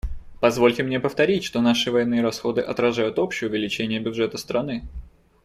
Позвольте мне повторить, что наши военные расходы отражают общее увеличение бюджета страны.